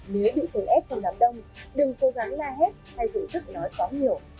nếu bị chấn ép trong đám đông đừng cố gắng la hét hay dụ sức nói quá nhiều